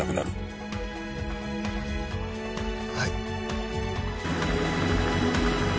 はい。